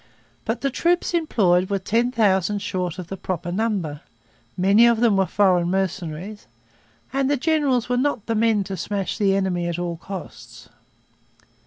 But the troops employed were ten thousand short of the proper number. Many of them were foreign mercenaries. And the generals were not the men to smash the enemy at all costs.